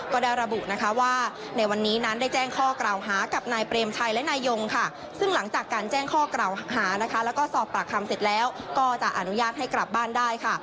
ก็ได้ระบุนะคะว่าในวันนี้นั้นได้แจ้งข้อกล่าวหากับนายเปรมชัยและนายยงค่ะซึ่งหลังจากการแจ้งข้อกล่าวหานะคะแล้วก็สอบปากคำเสร็จแล้วก็จะอนุญาตให้กลับบ้านได้ค่ะ